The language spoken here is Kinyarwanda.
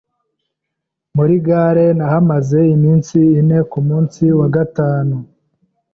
Muri Gare nahamaze iminsi ine ku munsi wa gatanu,